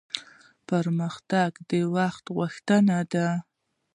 پرمختګ د وخت غوښتنه ده